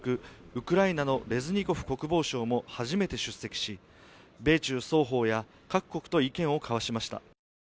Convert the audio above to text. ウクライナのレズニコフ国防相も初めて出席し、米中双方や各国と意見を交わしました。